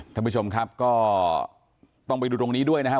ท่านผู้ชมครับก็ต้องไปดูตรงนี้ด้วยนะครับ